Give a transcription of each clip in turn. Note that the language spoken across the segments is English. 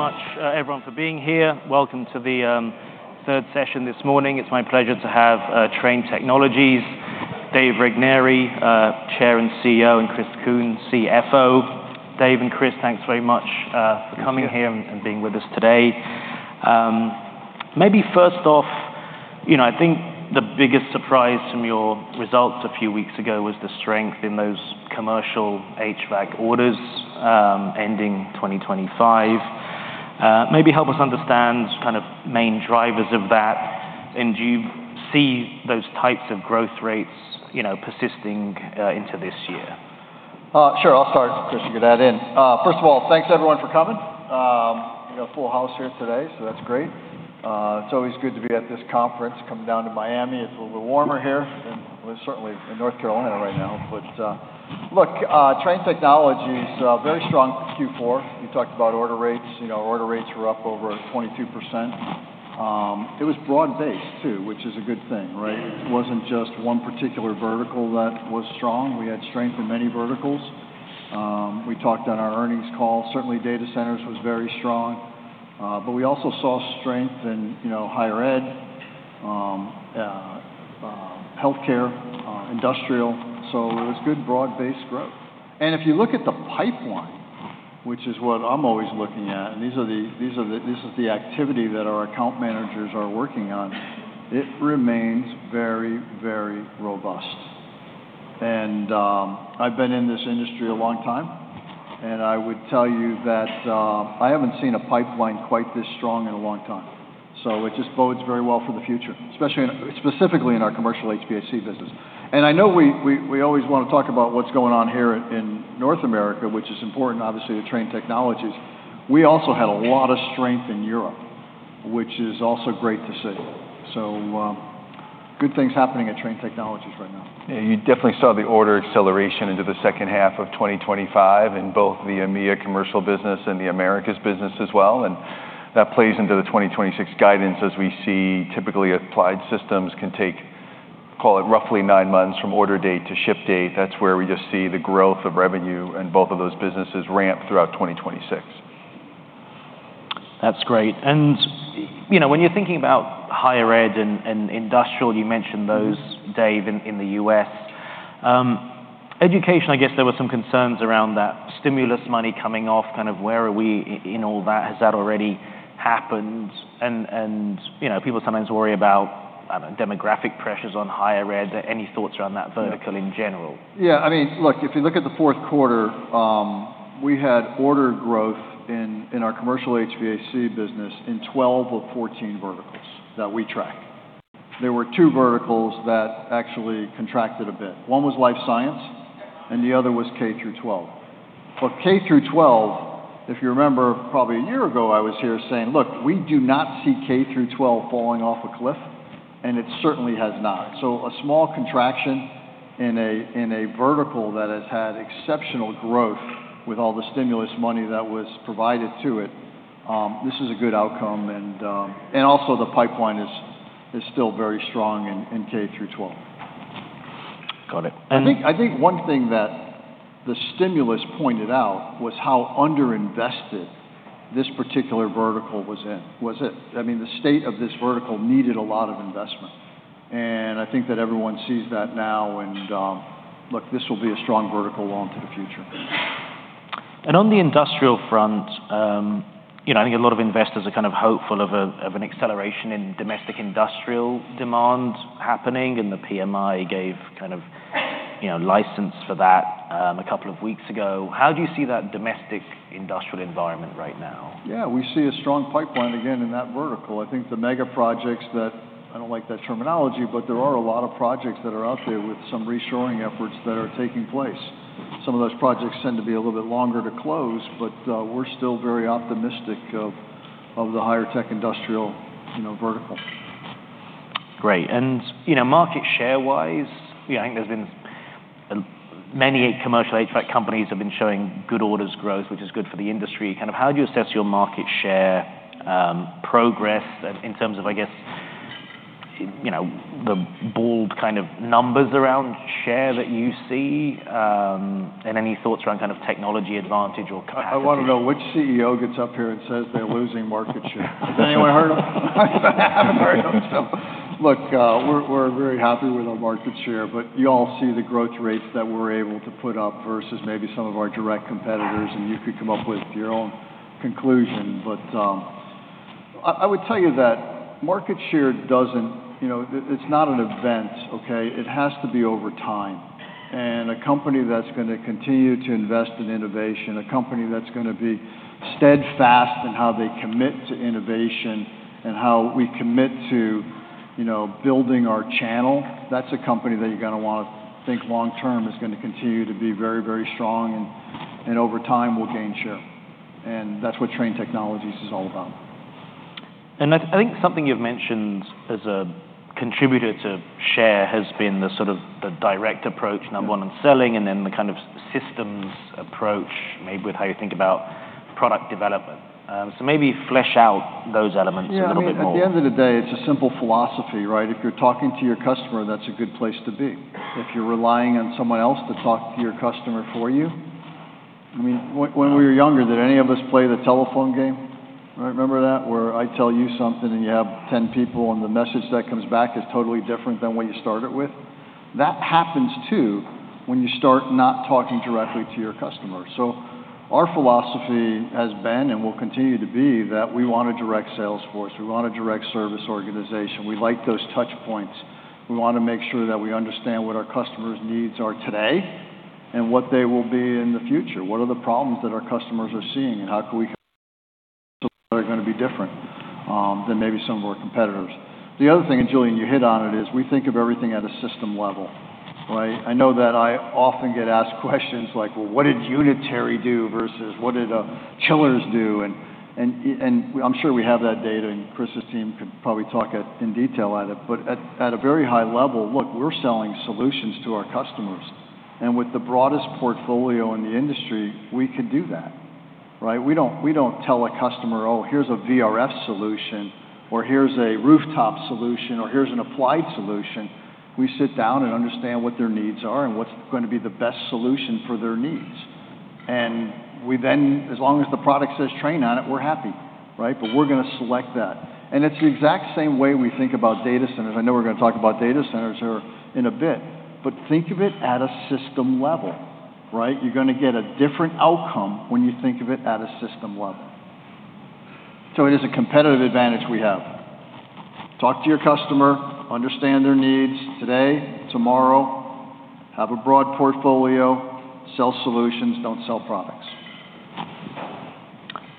Very much, everyone for being here. Welcome to the third session this morning. It's my pleasure to have Trane Technologies, Dave Regnery, Chair and CEO, and Chris Kuehn, CFO. Dave and Chris, thanks very much for coming here- Thank you and being with us today. Maybe first off, you know, I think the biggest surprise from your results a few weeks ago was the strength in those commercial HVAC orders, ending 2025. Maybe help us understand kind of main drivers of that, and do you see those types of growth rates, you know, persisting into this year? Sure, I'll start. Chris, you can add in. First of all, thanks, everyone, for coming. We've got a full house here today, so that's great. It's always good to be at this conference, coming down to Miami. It's a little bit warmer here than it is certainly in North Carolina right now. But, look, Trane Technologies, very strong Q4. You talked about order rates. You know, our order rates were up over 22%. It was broad-based, too, which is a good thing, right? It wasn't just one particular vertical that was strong. We had strength in many verticals. We talked on our earnings call, certainly data centers was very strong, but we also saw strength in, you know, higher ed, healthcare, industrial. So it was good, broad-based growth. If you look at the pipeline, which is what I'm always looking at, and this is the activity that our account managers are working on, it remains very, very robust. I've been in this industry a long time, and I would tell you that I haven't seen a pipeline quite this strong in a long time. So it just bodes very well for the future, especially in, specifically in our commercial HVAC business. And I know we always want to talk about what's going on here in North America, which is important, obviously, to Trane Technologies. We also had a lot of strength in Europe, which is also great to see. So, good things happening at Trane Technologies right now. Yeah, you definitely saw the order acceleration into the second half of 2025 in both the EMEA commercial business and the Americas business as well, and that plays into the 2026 guidance. As we see, typically, applied systems can take, call it, roughly nine months from order date to ship date. That's where we just see the growth of revenue in both of those businesses ramp throughout 2026. That's great. And, you know, when you're thinking about higher ed and industrial, you mentioned those, Dave, in the U.S. education, I guess there were some concerns around that stimulus money coming off. Kind of where are we in all that? Has that already happened? And, you know, people sometimes worry about, I don't know, demographic pressures on higher ed. Any thoughts around that vertical in general? Yeah, I mean, look, if you look at the fourth quarter, we had order growth in our commercial HVAC business in 12 of 14 verticals that we track. There were two verticals that actually contracted a bit. One was life science, and the other was K-12. But K-12, if you remember, probably a year ago, I was here saying: Look, we do not see K-12 falling off a cliff, and it certainly has not. So a small contraction in a vertical that has had exceptional growth with all the stimulus money that was provided to it, this is a good outcome, and also the pipeline is still very strong in K-12. Got it. I think one thing that the stimulus pointed out was how underinvested this particular vertical was in. I mean, the state of this vertical needed a lot of investment, and I think that everyone sees that now, and, look, this will be a strong vertical well into the future. And on the industrial front, you know, I think a lot of investors are kind of hopeful of an acceleration in domestic industrial demand happening, and the PMI gave kind of, you know, license for that, a couple of weeks ago. How do you see that domestic industrial environment right now? Yeah, we see a strong pipeline again in that vertical. I think the megaprojects that... I don't like that terminology, but there are a lot of projects that are out there with some reshoring efforts that are taking place. Some of those projects tend to be a little bit longer to close, but we're still very optimistic of the higher tech industrial, you know, vertical. Great. And, you know, market share-wise, yeah, I think there's been, many commercial HVAC companies have been showing good orders growth, which is good for the industry. Kind of how do you assess your market share, progress in terms of, I guess, you know, the bold kind of numbers around share that you see? And any thoughts around kind of technology advantage or capacity? I wanna know which CEO gets up here and says they're losing market share. Has anyone heard of them? I haven't heard of them, so look, we're very happy with our market share, but you all see the growth rates that we're able to put up versus maybe some of our direct competitors, and you could come up with your own conclusion. But I would tell you that market share doesn't. You know, it's not an event, okay? It has to be over time. And a company that's gonna continue to invest in innovation, a company that's gonna be steadfast in how they commit to innovation and how we commit to, you know, building our channel, that's a company that you're gonna wanna think long term is gonna continue to be very, very strong and over time will gain share. That's what Trane Technologies is all about. And I think something you've mentioned as a contributor to share has been the sort of direct approach, number one, in selling, and then the kind of systems approach, maybe with how you think about product development. So maybe flesh out those elements a little bit more. Yeah, I mean, at the end of the day, it's a simple philosophy, right? If you're talking to your customer, that's a good place to be. If you're relying on someone else to talk to your customer for you. I mean, when we were younger, did any of us play the telephone game? Right, remember that? Where I tell you something, and you have 10 people, and the message that comes back is totally different than what you started with. That happens, too, when you start not talking directly to your customer. So our philosophy has been, and will continue to be, that we want a direct sales force. We want a direct service organization. We like those touch points. We want to make sure that we understand what our customers' needs are today and what they will be in the future. What are the problems that our customers are seeing, and how are we going to be different than maybe some of our competitors? The other thing, and Julian, you hit on it, is we think of everything at a system level, right? I know that I often get asked questions like, "Well, what did unitary do versus what did chillers do?" And I'm sure we have that data, and Chris's team could probably talk about it in detail. But at a very high level, look, we're selling solutions to our customers, and with the broadest portfolio in the industry, we can do that, right? We don't, we don't tell a customer, "Oh, here's a VRF solution," or, "Here's a rooftop solution," or, "Here's an applied solution." We sit down and understand what their needs are and what's going to be the best solution for their needs. And we then, as long as the product says Trane on it, we're happy, right? But we're going to select that. And it's the exact same way we think about data centers. I know we're going to talk about data centers here in a bit, but think of it at a system level, right? You're going to get a different outcome when you think of it at a system level. So it is a competitive advantage we have. Talk to your customer, understand their needs today, tomorrow, have a broad portfolio, sell solutions, don't sell products.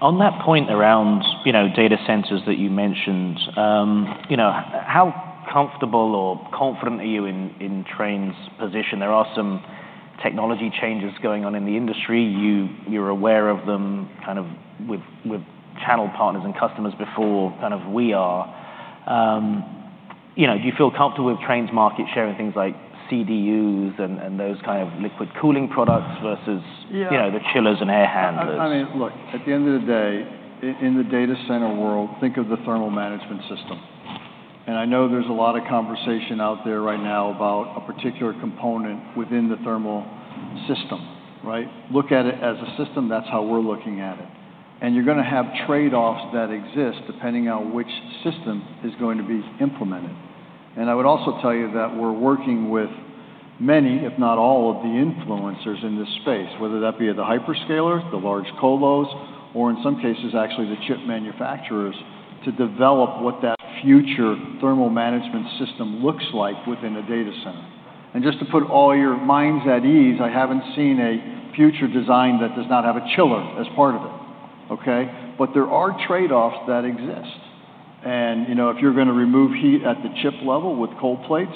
On that point around, you know, data centers that you mentioned, you know, how comfortable or confident are you in Trane's position? There are some technology changes going on in the industry. You're aware of them, kind of, with channel partners and customers before, kind of, we are. You know, do you feel comfortable with Trane's market share in things like CDUs and those kind of liquid cooling products versus- Yeah... you know, the chillers and air handlers? I mean, look, at the end of the day, in the data center world, think of the thermal management system. And I know there's a lot of conversation out there right now about a particular component within the thermal system, right? Look at it as a system. That's how we're looking at it, and you're going to have trade-offs that exist depending on which system is going to be implemented. And I would also tell you that we're working with many, if not all, of the influencers in this space, whether that be the hyperscalers, the large colos, or in some cases, actually the chip manufacturers, to develop what that future thermal management system looks like within a data center. And just to put all your minds at ease, I haven't seen a future design that does not have a chiller as part of it, okay? But there are trade-offs that exist. And, you know, if you're going to remove heat at the chip level with cold plates,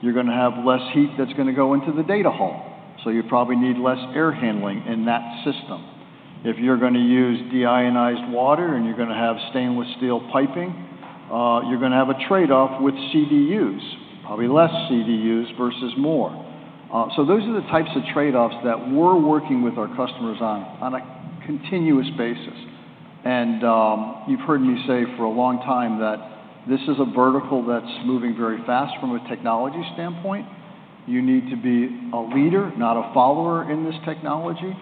you're going to have less heat that's going to go into the data hall, so you probably need less air handling in that system. If you're going to use deionized water, and you're going to have stainless steel piping, you're going to have a trade-off with CDUs, probably less CDUs versus more. So those are the types of trade-offs that we're working with our customers on, on a continuous basis. And, you've heard me say for a long time that this is a vertical that's moving very fast from a technology standpoint. You need to be a leader, not a follower, in this technology,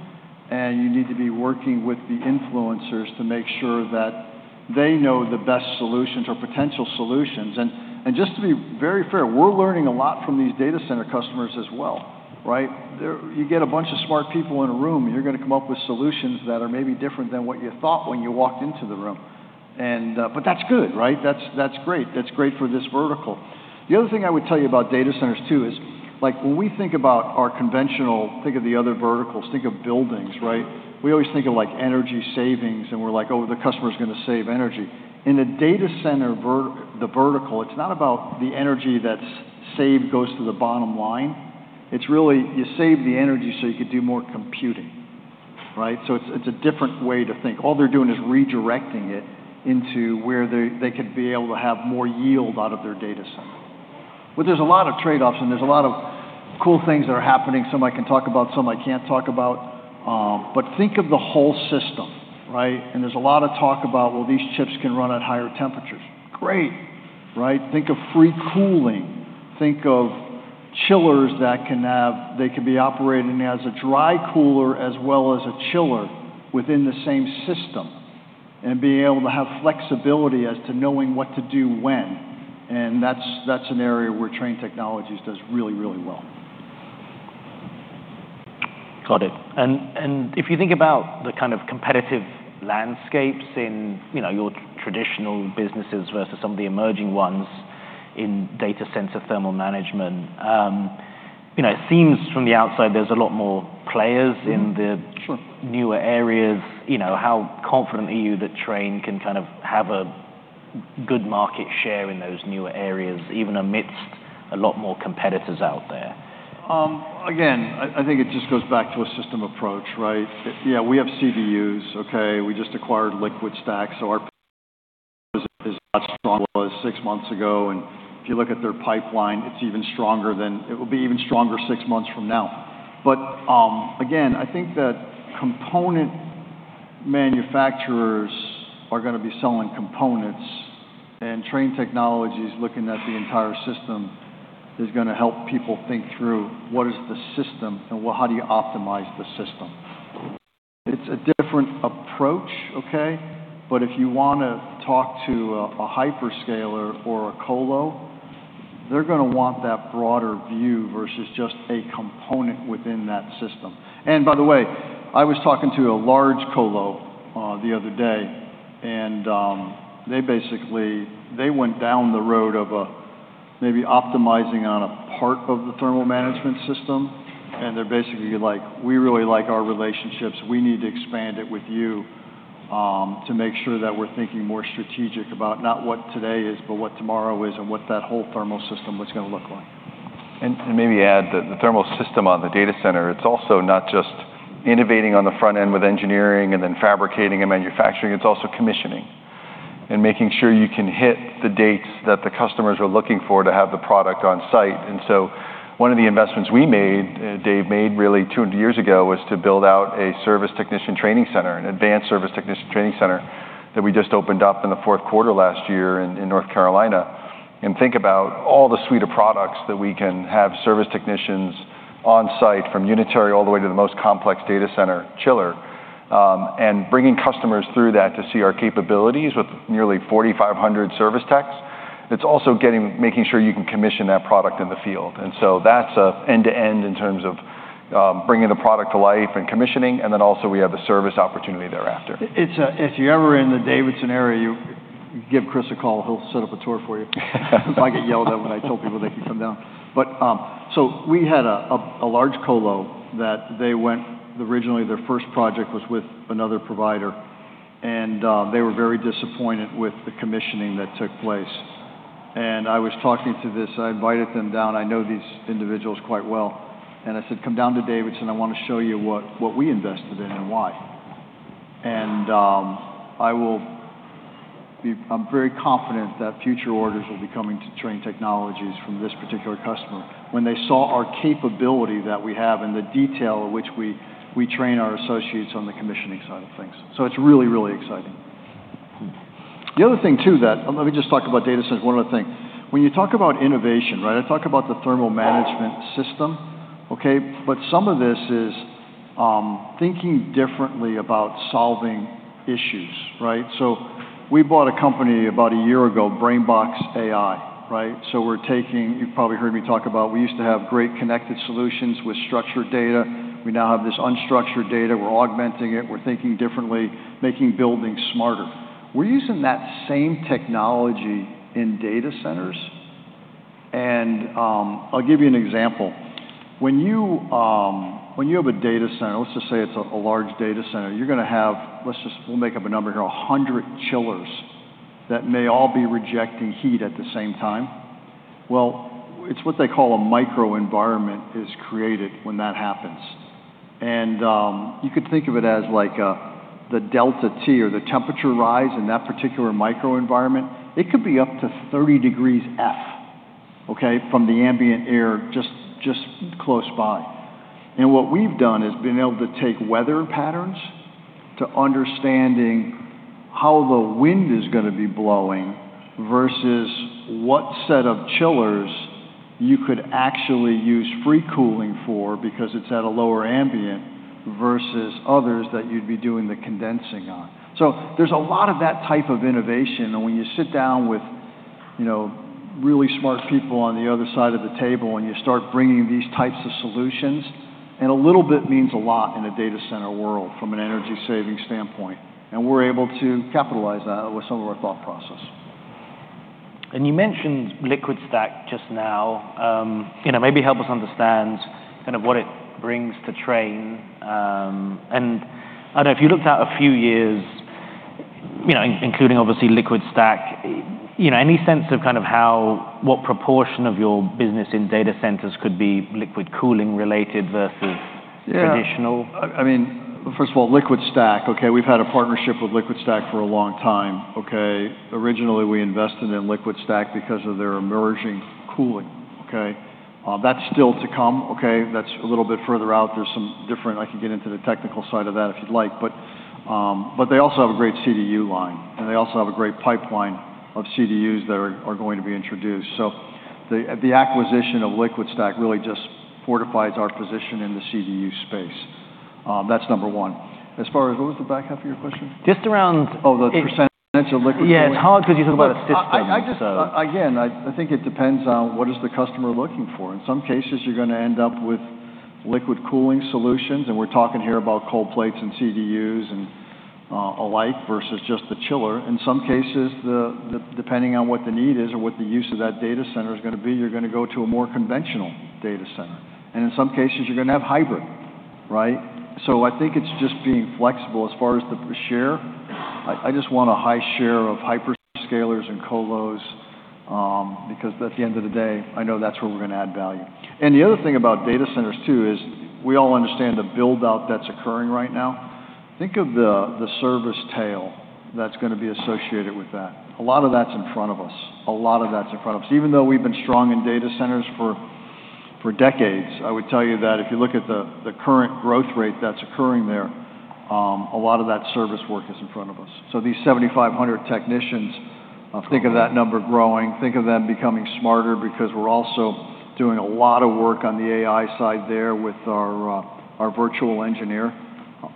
and you need to be working with the influencers to make sure that they know the best solutions or potential solutions. And just to be very fair, we're learning a lot from these data center customers as well, right? They're. You get a bunch of smart people in a room, and you're going to come up with solutions that are maybe different than what you thought when you walked into the room. And but that's good, right? That's, that's great. That's great for this vertical. The other thing I would tell you about data centers, too, is, like, when we think about our conventional. Think of the other verticals. Think of buildings, right? We always think of, like, energy savings, and we're like, "Oh, the customer's going to save energy." In a data center vertical, it's not about the energy that's saved goes to the bottom line. It's really, you save the energy, so you could do more computing, right? So it's a different way to think. All they're doing is redirecting it into where they could be able to have more yield out of their data center. But there's a lot of trade-offs, and there's a lot of cool things that are happening. Some I can talk about, some I can't talk about, but think of the whole system, right? And there's a lot of talk about, well, these chips can run at higher temperatures. Great, right? Think of free cooling. Think of chillers that can have they can be operating as a dry cooler as well as a chiller within the same system and being able to have flexibility as to knowing what to do when, and that's an area where Trane Technologies does really, really well. Got it. And if you think about the kind of competitive landscapes in, you know, your traditional businesses versus some of the emerging ones in data center thermal management, you know, it seems from the outside there's a lot more players in the- Sure... newer areas. You know, how confident are you that Trane can kind of have a good market share in those newer areas, even amidst a lot more competitors out there? Again, I think it just goes back to a system approach, right? Yeah, we have CDUs, okay? We just acquired LiquidStack, so ours is as strong as it was six months ago, and if you look at their pipeline, it's even stronger. It will be even stronger six months from now. But again, I think that component manufacturers are going to be selling components, and Trane Technologies, looking at the entire system, is going to help people think through what is the system and well, how do you optimize the system? It's a different approach, okay? But if you want to talk to a hyperscaler or a colo, they're going to want that broader view versus just a component within that system. And by the way, I was talking to a large colo the other day, and they basically, they went down the road of maybe optimizing on a part of the thermal management system, and they're basically like, "We really like our relationships. We need to expand it with you, to make sure that we're thinking more strategic about not what today is, but what tomorrow is, and what that whole thermal system is going to look like. And maybe add that the thermal system on the data center, it's also not just innovating on the front end with engineering and then fabricating and manufacturing, it's also commissioning and making sure you can hit the dates that the customers are looking for to have the product on site. And so one of the investments we made, Dave made really two years ago, was to build out a service technician training center, an advanced service technician training center, that we just opened up in the fourth quarter last year in North Carolina. And think about all the suite of products that we can have service technicians on site, from unitary all the way to the most complex data center chiller, and bringing customers through that to see our capabilities with nearly 4,500 service techs. It's also getting making sure you can commission that product in the field. So that's an end-to-end in terms of, bringing the product to life and commissioning, and then also we have the service opportunity thereafter. If you're ever in the Davidson area, you give Chris a call, he'll set up a tour for you. I get yelled at when I tell people they can come down. But, so we had a large colo that they went... Originally, their first project was with another provider, and they were very disappointed with the commissioning that took place. And I was talking to this, I invited them down, I know these individuals quite well, and I said, "Come down to Davidson, I want to show you what we invested in and why." And, I'm very confident that future orders will be coming to Trane Technologies from this particular customer, when they saw our capability that we have and the detail in which we train our associates on the commissioning side of things. So it's really, really exciting. The other thing, too, that. Let me just talk about data centers, one other thing. When you talk about innovation, right, I talk about the thermal management system, okay? But some of this is, thinking differently about solving issues, right? So we bought a company about a year ago, BrainBox AI, right? So we're taking. You've probably heard me talk about we used to have great connected solutions with structured data. We now have this unstructured data. We're augmenting it, we're thinking differently, making buildings smarter. We're using that same technology in data centers, and, I'll give you an example. When you, when you have a data center, let's just say it's a, a large data center, you're going to have, let's just, we'll make up a number here, 100 chillers that may all be rejecting heat at the same time. Well, it's what they call a microenvironment is created when that happens. And, you could think of it as like, the Delta T or the temperature rise in that particular microenvironment. It could be up to 30 degrees Fahrenheit, okay, from the ambient air just close by. And what we've done is been able to take weather patterns, to understanding how the wind is going to be blowing, versus what set of chillers you could actually use free cooling for, because it's at a lower ambient, versus others that you'd be doing the condensing on. So there's a lot of that type of innovation, and when you sit down with, you know, really smart people on the other side of the table, and you start bringing these types of solutions, and a little bit means a lot in a data center world from an energy-saving standpoint, and we're able to capitalize that with some of our thought process. You mentioned LiquidStack just now. You know, maybe help us understand kind of what it brings to Trane. And I don't know, if you looked out a few years, you know, including obviously LiquidStack, you know, any sense of kind of how, what proportion of your business in data centers could be liquid cooling related versus- Yeah... traditional? I mean, first of all, LiquidStack, okay, we've had a partnership with LiquidStack for a long time, okay? Originally, we invested in LiquidStack because of their emerging cooling, okay? That's still to come, okay? That's a little bit further out. There's some different... I can get into the technical side of that if you'd like, but, but they also have a great CDU line, and they also have a great pipeline of CDUs that are going to be introduced. So the acquisition of LiquidStack really just fortifies our position in the CDU space. That's number one. As far as, what was the back half of your question? Just around- Oh, the percentage of liquid cooling? Yeah. How long could you talk about a system, so- I just again think it depends on what is the customer looking for. In some cases, you're going to end up with liquid cooling solutions, and we're talking here about cold plates and CDUs and alike versus just the chiller. In some cases, depending on what the need is or what the use of that data center is going to be, you're going to go to a more conventional data center. And in some cases, you're going to have hybrid, right? So I think it's just being flexible. As far as the share, I just want a high share of hyperscalers and colos because at the end of the day, I know that's where we're going to add value. And the other thing about data centers, too, is we all understand the build-out that's occurring right now. Think of the service tail that's going to be associated with that. A lot of that's in front of us. A lot of that's in front of us. Even though we've been strong in data centers for decades, I would tell you that if you look at the current growth rate that's occurring there, a lot of that service work is in front of us. So these 7,500 technicians, think of that number growing, think of them becoming smarter, because we're also doing a lot of work on the AI side there with our virtual engineer,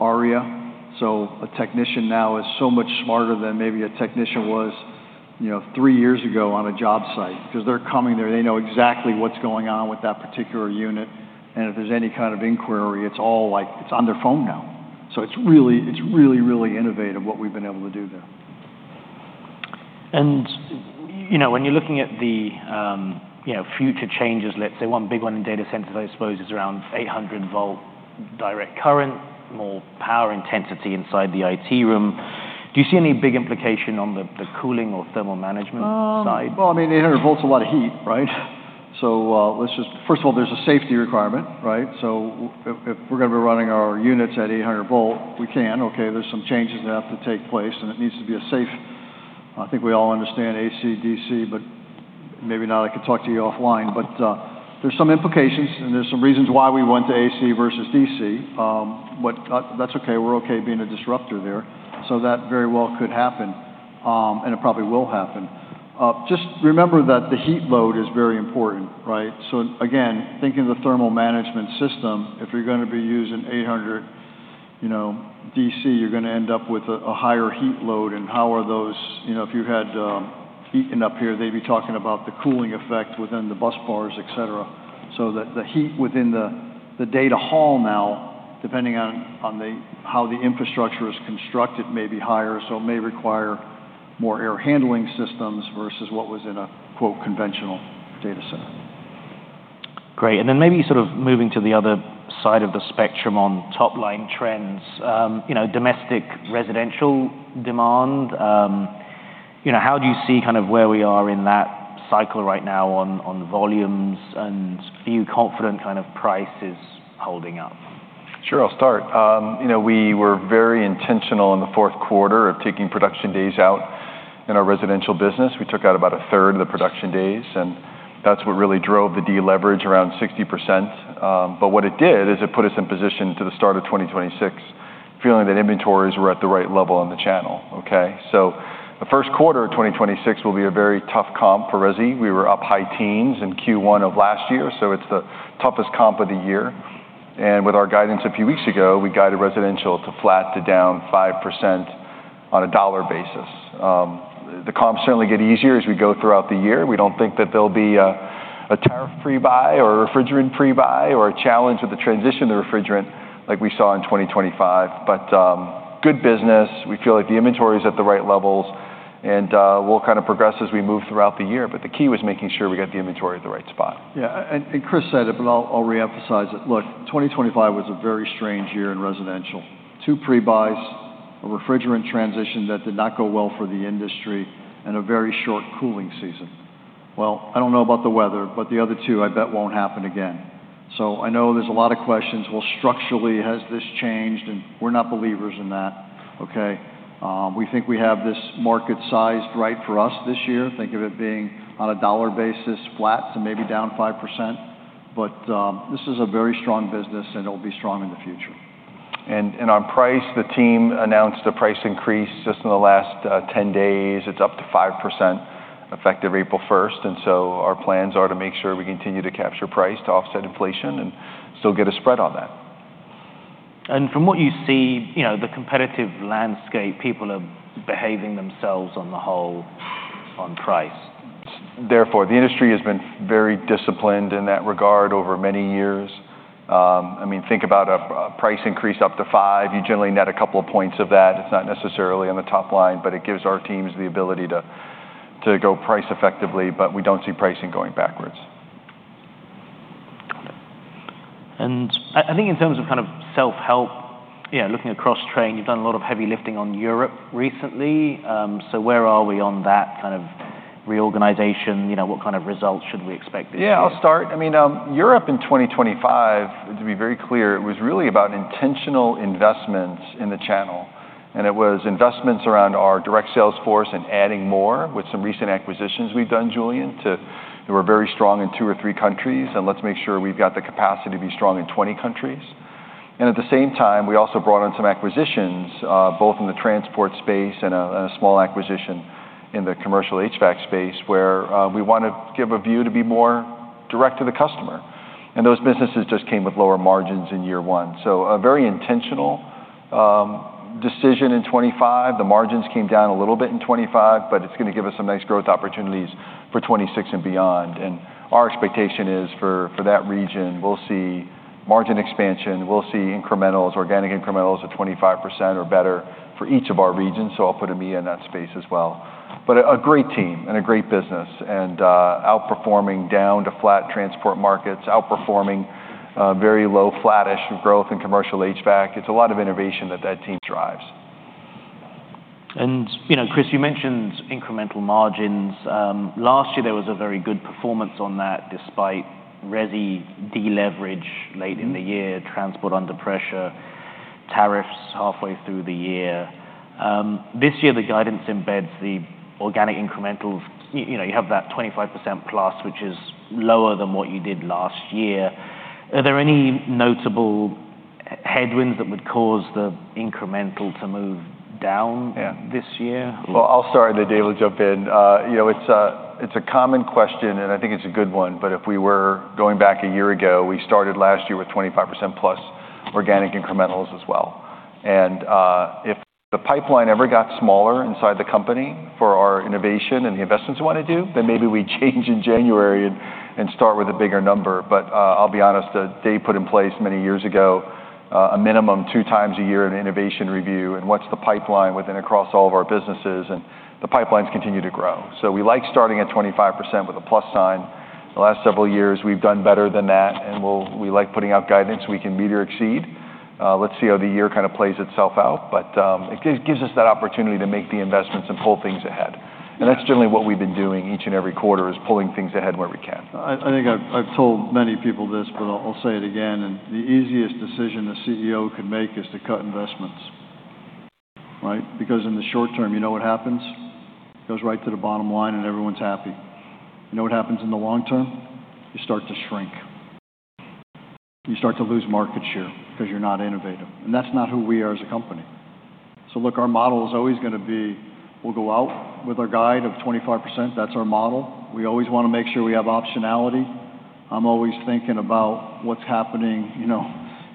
our AI. So a technician now is so much smarter than maybe a technician was, you know, three years ago on a job site. 'Cause they're coming there, they know exactly what's going on with that particular unit, and if there's any kind of inquiry, it's all, like, it's on their phone now. So it's really, it's really, really innovative what we've been able to do there. You know, when you're looking at the, you know, future changes, let's say one big one in data centers, I suppose, is around 800-volt direct current, more power intensity inside the IT room. Do you see any big implication on the cooling or thermal management side? Well, I mean, 800 volts is a lot of heat, right? So, let's just first of all, there's a safety requirement, right? So if we're gonna be running our units at 800 volt, we can, okay, there's some changes that have to take place, and it needs to be a safe... I think we all understand A.C., D.C., but maybe not. I could talk to you offline. But, there's some implications, and there's some reasons why we went to A.C. versus D.C. But, that's okay. We're okay being a disruptor there, so that very well could happen, and it probably will happen. Just remember that the heat load is very important, right? So again, thinking of the thermal management system, if you're gonna be using 800, you know, D.C., you're gonna end up with a higher heat load. How are those, you know, if you had heating up here, they'd be talking about the cooling effect within the bus bars, et cetera. The heat within the data hall now, depending on how the infrastructure is constructed, may be higher, so it may require more air handling systems versus what was in a quote, “conventional data center.” Great. And then maybe sort of moving to the other side of the spectrum on top-line trends. You know, domestic residential demand, you know, how do you see kind of where we are in that cycle right now on, on the volumes, and are you confident kind of price is holding up? Sure, I'll start. You know, we were very intentional in the fourth quarter of taking production days out in our residential business. We took out about a third of the production days, and that's what really drove the deleverage around 60%. But what it did, is it put us in position to the start of 2026, feeling that inventories were at the right level on the channel, okay? So the first quarter of 2026 will be a very tough comp for resi. We were up high teens in Q1 of last year, so it's the toughest comp of the year. And with our guidance a few weeks ago, we guided residential to flat to down 5% on a dollar basis. The comps certainly get easier as we go throughout the year. We don't think that there'll be a tariff pre-buy or a refrigerant pre-buy or a challenge with the transition to refrigerant like we saw in 2025. But, good business. We feel like the inventory is at the right levels, and, we'll kind of progress as we move throughout the year. But the key was making sure we got the inventory at the right spot. Yeah, and, and Chris said it, but I'll, I'll reemphasize it. Look, 2025 was a very strange year in residential. Two pre-buys, a refrigerant transition that did not go well for the industry, and a very short cooling season. Well, I don't know about the weather, but the other two, I bet, won't happen again. So I know there's a lot of questions: Well, structurally, has this changed? And we're not believers in that, okay? We think we have this market sized right for us this year. Think of it being, on a dollar basis, flat to maybe down 5%. But, this is a very strong business, and it'll be strong in the future. On price, the team announced a price increase just in the last 10 days. It's up to 5%, effective April 1, and so our plans are to make sure we continue to capture price to offset inflation and still get a spread on that. From what you see, you know, the competitive landscape, people are behaving themselves on the whole on price. Therefore, the industry has been very disciplined in that regard over many years. I mean, think about a price increase up to 5. You generally net a couple of points of that. It's not necessarily on the top line, but it gives our teams the ability to go price effectively, but we don't see pricing going backwards. I think in terms of kind of self-help, you know, looking across Trane, you've done a lot of heavy lifting on Europe recently. So where are we on that kind of reorganization? You know, what kind of results should we expect this year? Yeah, I'll start. I mean, Europe in 2025, to be very clear, it was really about intentional investments in the channel, and it was investments around our direct sales force and adding more with some recent acquisitions we've done, Julian. We're very strong in two or three countries, and let's make sure we've got the capacity to be strong in 20 countries. And at the same time, we also brought in some acquisitions, both in the transport space and a small acquisition in the commercial HVAC space, where, we want to give a view to be more direct to the customer. And those businesses just came with lower margins in year 1. So a very intentional decision in 25. The margins came down a little bit in 25, but it's gonna give us some nice growth opportunities for 26 and beyond. Our expectation is for that region, we'll see margin expansion, we'll see incrementals, organic incrementals of 25% or better for each of our regions, so I'll put EMEA in that space as well. But a great team and a great business, and outperforming down to flat transport markets, outperforming very low, flattish growth in commercial HVAC. It's a lot of innovation that that team drives. You know, Chris, you mentioned incremental margins. Last year, there was a very good performance on that, despite resi deleverage late in the year, transport under pressure, tariffs halfway through the year. This year, the guidance embeds the organic incrementals. You know, you have that 25%+, which is lower than what you did last year. Are there any notable headwinds that would cause the incremental to move down? Yeah -this year? Well, I'll start, and then Dave will jump in. You know, it's a common question, and I think it's a good one, but if we were going back a year ago, we started last year with 25%+ organic incrementals as well. And if the pipeline ever got smaller inside the company for our innovation and the investments we wanna do, then maybe we'd change in January and start with a bigger number. But I'll be honest, Dave put in place many years ago a minimum two times a year in innovation review, and what's the pipeline within across all of our businesses, and the pipelines continue to grow. So we like starting at 25%+. The last several years, we've done better than that, and we like putting out guidance we can meet or exceed. Let's see how the year kind of plays itself out, but it gives us that opportunity to make the investments and pull things ahead. Yeah. That's generally what we've been doing each and every quarter, is pulling things ahead where we can. I think I've told many people this, but I'll say it again, and the easiest decision a CEO could make is to cut investments, right? Because in the short term, you know what happens? It goes right to the bottom line, and everyone's happy. You know what happens in the long term? You start to shrink. You start to lose market share because you're not innovative, and that's not who we are as a company. So look, our model is always gonna be, we'll go out with our guide of 25%. That's our model. We always wanna make sure we have optionality. I'm always thinking about what's happening, you know,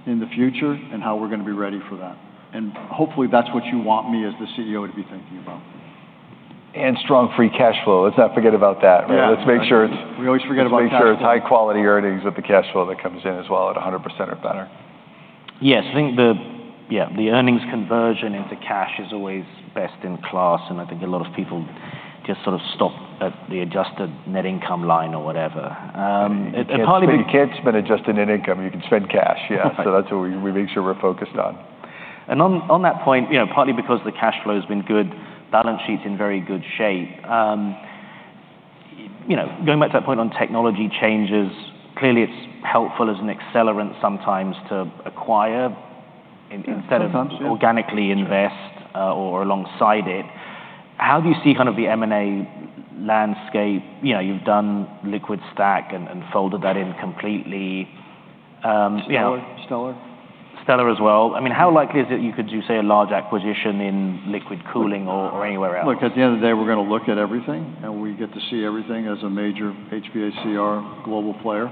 in the future and how we're gonna be ready for that. Hopefully, that's what you want me as the CEO to be thinking about. Strong free cash flow. Let's not forget about that. Yeah. Let's make sure it's- We always forget about cash flow. Let's make sure it's high-quality earnings with the cash flow that comes in as well at 100% or better. Yes, I think yeah, the earnings conversion into cash is always best in class, and I think a lot of people just sort of stop at the adjusted net income line or whatever. It partly- You can't spend adjusted net income. You can spend cash, yeah. That's what we make sure we're focused on. On that point, you know, partly because the cash flow has been good, balance sheet's in very good shape. You know, going back to that point on technology changes, clearly it's helpful as an accelerant sometimes to acquire- Yeah. Sometimes, yeah.... instead of organically invest, or alongside it. How do you see kind of the M&A landscape? You know, you've done LiquidStack and folded that in completely. Yeah- MTA? MTA. Kaltra as well. I mean, how likely is it you could do, say, a large acquisition in liquid cooling or, or anywhere else? Look, at the end of the day, we're gonna look at everything, and we get to see everything as a major HVACR global player.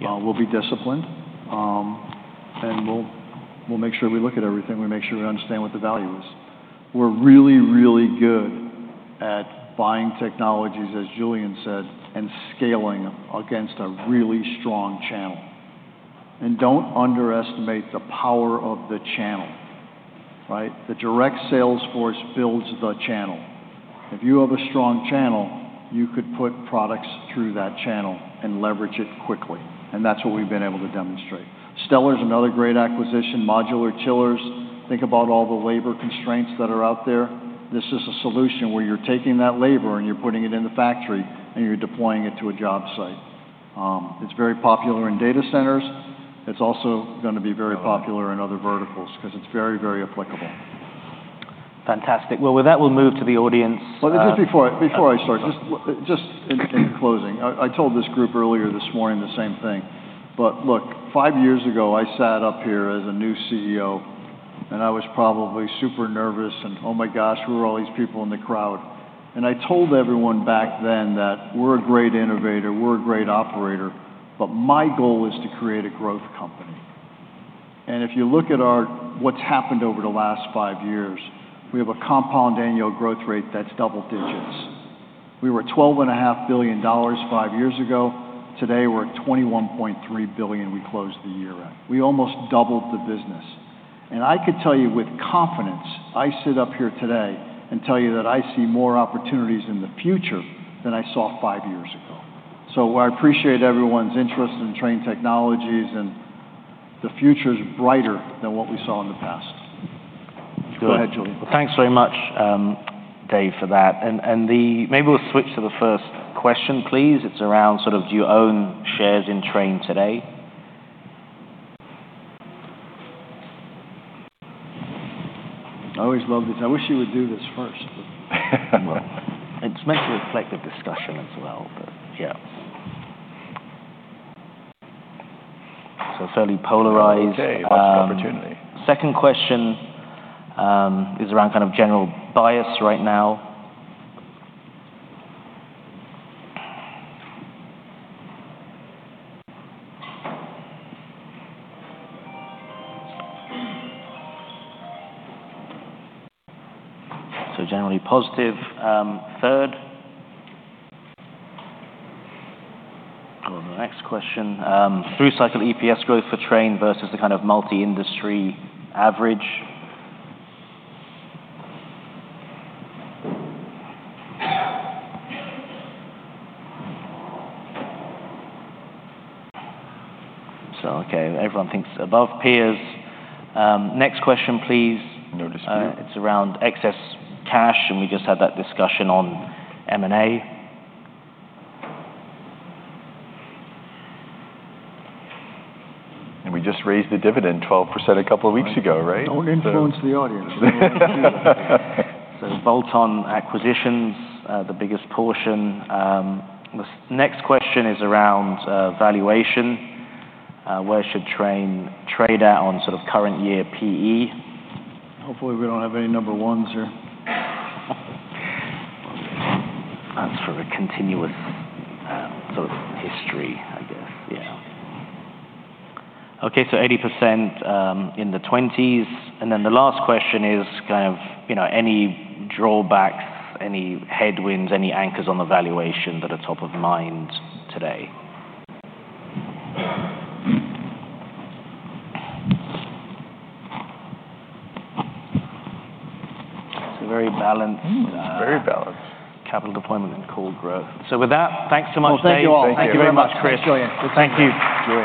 Yeah. We'll be disciplined, and we'll make sure we look at everything. We make sure we understand what the value is. We're really, really good at buying technologies, as Julian said, and scaling them against a really strong channel. Don't underestimate the power of the channel, right? The direct sales force builds the channel. If you have a strong channel, you could put products through that channel and leverage it quickly, and that's what we've been able to demonstrate. Kaltra is another great acquisition, modular chillers. Think about all the labor constraints that are out there. This is a solution where you're taking that labor, and you're putting it in the factory, and you're deploying it to a job site. It's very popular in data centers. It's also gonna be very popular- Yeah... in other verticals 'cause it's very, very applicable. Fantastic. Well, with that, we'll move to the audience. Well, just before I start, just in closing, I told this group earlier this morning the same thing. But look, five years ago, I sat up here as a new CEO, and I was probably super nervous, and oh my gosh, who are all these people in the crowd? And I told everyone back then that we're a great innovator, we're a great operator, but my goal is to create a growth company. And if you look at our, what's happened over the last five years, we have a compound annual growth rate that's double digits. We were $12.5 billion five years ago. Today, we're at $21.3 billion we closed the year at. We almost doubled the business. I could tell you with confidence, I sit up here today and tell you that I see more opportunities in the future than I saw five years ago. I appreciate everyone's interest in Trane Technologies, and the future is brighter than what we saw in the past. Good. Go ahead, Julian. Thanks very much, Dave, for that. Maybe we'll switch to the first question, please. It's around sort of: Do you own shares in Trane today? I always love this. I wish you would do this first, but Well, it's meant to reflect the discussion as well, but yeah. So fairly polarized. Oh, okay. Lots of opportunity. Second question is around kind of general bias right now. So generally positive. Go on to the next question. Through-cycle EPS growth for Trane versus the kind of multi-industry average. So okay, everyone thinks above peers. Next question, please. No dispute. It's around excess cash, and we just had that discussion on M&A. We just raised the dividend 12% a couple of weeks ago, right? Don't influence the audience. So bolt-on acquisitions, the biggest portion. The next question is around valuation. Where should Trane trade at on sort of current year PE? Hopefully, we don't have any number ones here. That's for a continuous, sort of history, I guess. Yeah. Okay, so 80% in the 20s. And then the last question is kind of, you know, any drawbacks, any headwinds, any anchors on the valuation that are top of mind today? It's a very balanced, It's very balanced.... capital deployment and core growth. With that, thanks so much, Dave. Well, thank you all. Thank you. Thank you very much, Chris. Thanks, Julian. Thank you. Julian-